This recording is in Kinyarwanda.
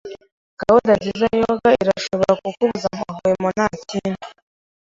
Gahunda nziza yoga irashobora kukubuza amahwemo ntakindi.